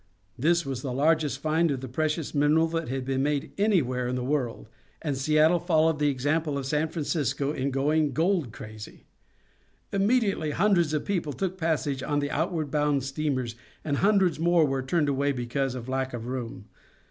This was the largest find of the precious mineral that had been made anywhere in the world, and Seattle followed the example of San Francisco in going gold crazy. Immediately hundreds of people took passage on the outward bound steamers, and hundreds more were turned away because of lack of room.